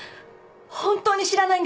本当に知らないんです。